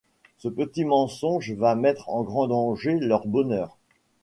Ce petit mensonge va mettre en grand danger leur bonheur.